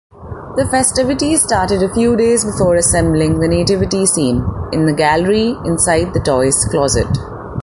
The festivities started a few days before assembling the nativity scene, in the gallery, inside the toy’s closet.